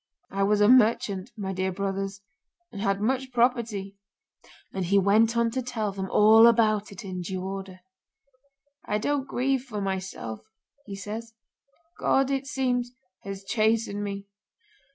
I was a merchant, my dear brothers, and had much property. 'And he went on to tell them all about it in due order. 'I don't grieve for myself,' he says, 'God, it seems, has chastened me.